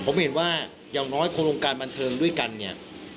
ผมเห็นว่าอย่างน้อยโครงการบันเทิงด้วยกันเนี่ย